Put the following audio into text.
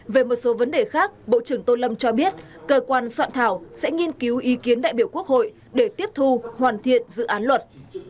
về một số vấn đề khác bộ trưởng tô lâm cho biết cơ quan soạn thảo sẽ nghiên cứu ý kiến đại biểu quốc hội để tiếp thu hoàn thiện dự án luật